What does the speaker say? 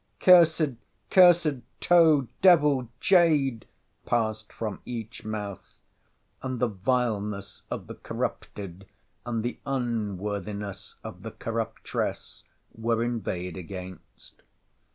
—Cursed, cursed toad, devil, jade, passed from each mouth:—and the vileness of the corrupted, and the unworthiness of the corruptress, were inveighed against.